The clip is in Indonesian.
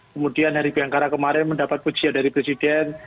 kemudian hari biangkara kemarin mendapat pujian dari presiden